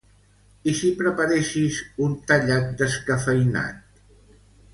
I si preparessis un tallat descafeïnat?